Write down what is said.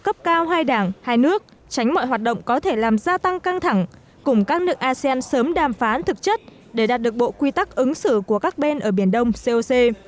asean sớm đàm phán thực chất để đạt được bộ quy tắc ứng xử của các bên ở biển đông coc